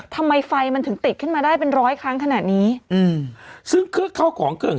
ทำไมไฟมันถึงติดขึ้นมาได้เป็นร้อยครั้งขนาดนี้อืมซึ่งเครื่องเข้าของเกิ่ง